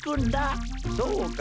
そうか。